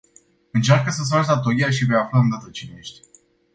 Încearcă să-ți faci datoria și vei afla îndată cine ești.